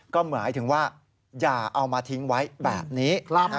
ก็หมายถึงว่าอย่าเอามาทิ้งไว้แบบนี้